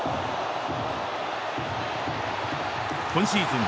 今シーズン